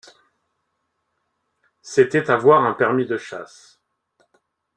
C’était avoir un permis de chasse.